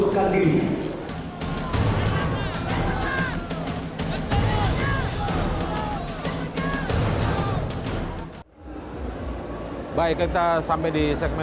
thank you pak deddy